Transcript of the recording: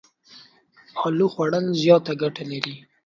الو خوړ ل زياته ګټه لري.